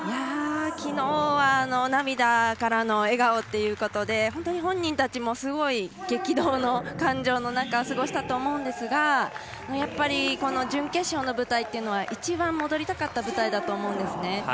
きのうは涙からの笑顔っていうことで本当に本人たちもすごく激動の感情の中過ごしたと思うんですがやっぱり、この準決勝の舞台っていうのは一番、戻りたかった舞台だと思うんですね。